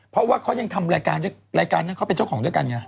เพราะว่าเค้ายังทำรายการเค้าเป็นเจ้าของด้วยกันไง